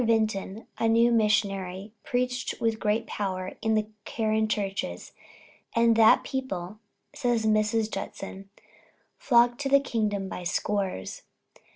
Vinton, (a new missionary,) preached with great power in the Karen churches, and that people, says Mrs. Judson, "flocked into the kingdom by scores."